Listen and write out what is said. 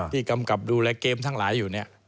ที่กำกับดูแลเกมทั้งหลายอยู่